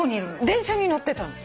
電車に乗ってたの。